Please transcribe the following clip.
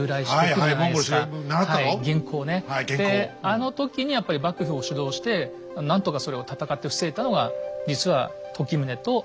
あの時にやっぱり幕府を主導して何とかそれを戦って防いだのが実は時宗と政村なんですね。